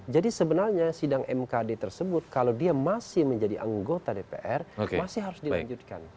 jadi sebenarnya sidang mkd tersebut kalau dia masih menjadi anggota dpr masih harus dilanjutkan